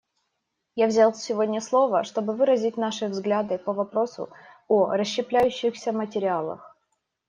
Я взял сегодня слово, чтобы выразить наши взгляды по вопросу о расщепляющихся материалах.